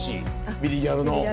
『ビリギャル』の。